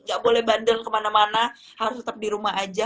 gak boleh bandel kemana mana harus tetap di rumah aja